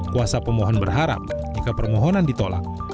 kuasa pemohon berharap jika permohonan ditolak